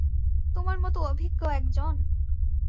তোমার মত অভিজ্ঞ একজন?